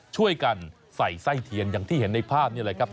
ช่วยกันใส่ไส้เทียนอย่างที่เห็นในภาพนี่แหละครับ